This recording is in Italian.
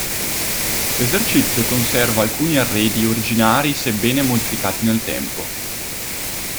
L'esercizio conserva alcuni arredi originari sebbene modificati nel tempo.